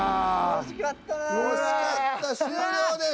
惜しかったな。